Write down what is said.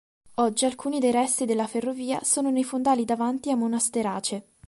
Oggi alcuni dei resti della ferrovia sono nei fondali davanti a Monasterace.